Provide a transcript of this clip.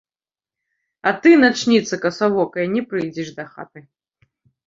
А ты, начніца касавокая, не прыйдзеш дахаты.